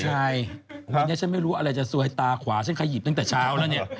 ใช่วันนี้ฉันไม่รู้อะไรจะซวยตาขวาฉันขยิบตั้งแต่เช้าแล้วเนี่ย